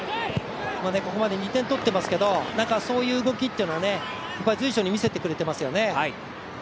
ここまで２点取ってますけどそういう動きっていうのは随所に見せてくれてますよね。